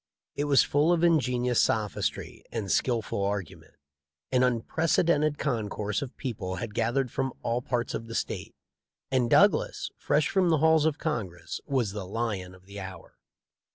It was full of inge nious sophistry and skilful argument. An unprec edented concourse of people had gathered from all parts of the State, and Douglas, fresh from the halls of Congress, was the lion of the hour.